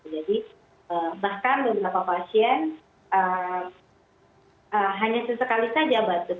jadi bahkan beberapa pasien hanya sesekali saja batuk